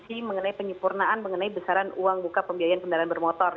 sehingga pojk ini mengatur mengenai kegiatan usaha pembiayaan terhadap perusahaan pembiayaan